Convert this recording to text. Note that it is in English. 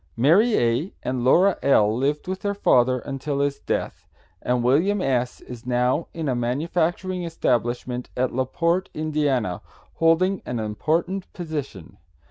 Mary A. and Laura L. lived with their father until his death, and William S. is now in a manufacturing establishment at La Porte, Ind., holding an important position.